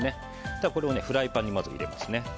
これをフライパンにまず入れますね。